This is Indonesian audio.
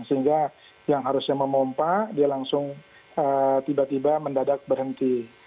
sehingga yang harusnya memompa dia langsung tiba tiba mendadak berhenti